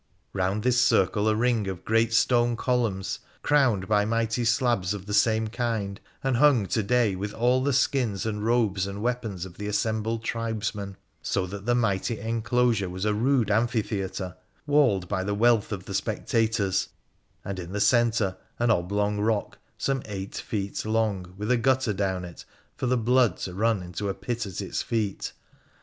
Bound this circle a ring of great stone columns, crowned by mighty slabs of the same kind, and hung, to day, with all the skins and robes and weapons of the assembled tribesmen ; so that the mighty enclosure was a rude amphitheatre, walled by the wealth of the spectators, and in the centre an oblong rock, some eight feet long, with a gutter down it for the blood to run into a pit at its feet.